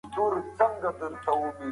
زه نشم کولای دا جمله مه کاروئ.